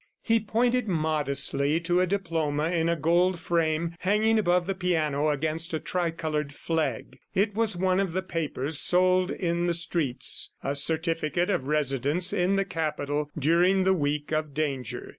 He pointed modestly to a diploma in a gold frame hanging above the piano against a tricolored flag. It was one of the papers sold in the streets, a certificate of residence in the Capital during the week of danger.